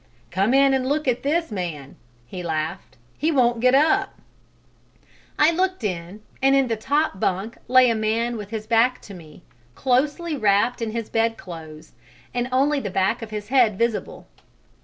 "Come in and look at this man," he laughed; "he won't get up." I looked in, and in the top bunk lay a man with his back to me, closely wrapped in his bed clothes and only the back of his head visible.